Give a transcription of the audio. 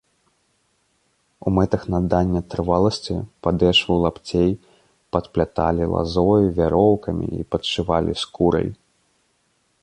У мэтах надання трываласці падэшву лапцей падпляталі лазой, вяроўкамі і падшывалі скурай.